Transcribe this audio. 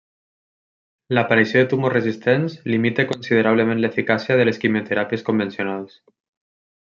L'aparició de tumors resistents limita considerablement l'eficàcia de les quimioteràpies convencionals.